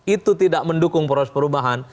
itu tidak mendukung poros perubahan